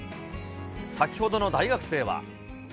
先ほどの大学生は。